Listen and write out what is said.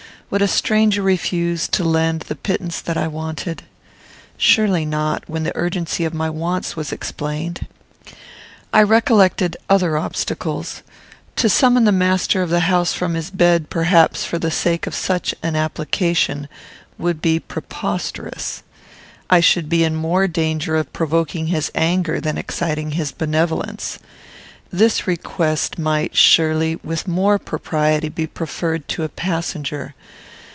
Would a stranger refuse to lend the pittance that I wanted? Surely not, when the urgency of my wants was explained. I recollected other obstacles. To summon the master of the house from his bed, perhaps, for the sake of such an application, would be preposterous. I should be in more danger of provoking his anger than exciting his benevolence. This request might, surely, with more propriety be preferred to a passenger.